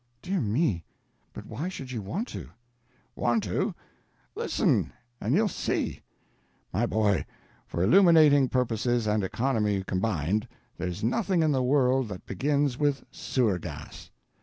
"Dear me, but why should you want to?" "Want to? Listen, and you'll see. My boy, for illuminating purposes and economy combined, there's nothing in the world that begins with sewer gas.